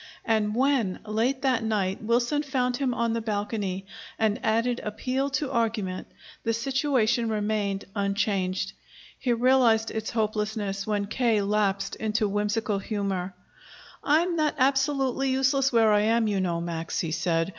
And when, late that night, Wilson found him on the balcony and added appeal to argument, the situation remained unchanged. He realized its hopelessness when K. lapsed into whimsical humor. "I'm not absolutely useless where I am, you know, Max," he said.